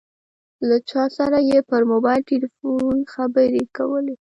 له چا سره یې پر موبایل ټیلیفون خبرې کولې.